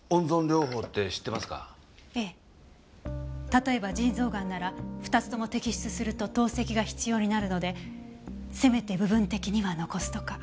例えば腎臓ガンなら２つとも摘出すると透析が必要になるのでせめて部分的には残すとか。